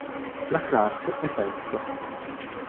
La Clark è terza.